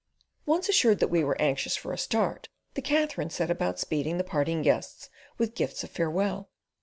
Once assured that we were anxious for a start, the Katherine set about speeding the parting guests with gifts of farewell.